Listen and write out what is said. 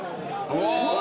うわ！